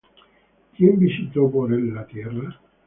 ¿Quién visitó por él la tierra?